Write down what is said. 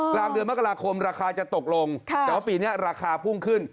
กลางเดือนมกราคมราคาจะตกลงแต่ว่าปีนี้ราคาพุ่งขึ้น